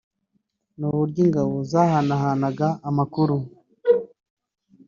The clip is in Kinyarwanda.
ni uburyo ingabo zahanahanaga amakuru